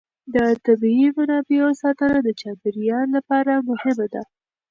د طبیعي منابعو ساتنه د چاپېر یال لپاره مهمه ده.